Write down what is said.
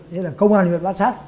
đấy là công an huyện bát sát